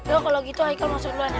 ya kalau gitu haikal masuk dulu aja